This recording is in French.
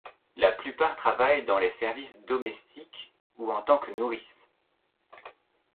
La plupart travaillent dans les services domestiques ou en tant que nourrices.